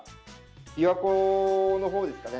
琵琶湖のほうですかね。